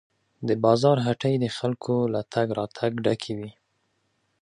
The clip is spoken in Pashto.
د بازار هټۍ د خلکو له تګ راتګ ډکې وې.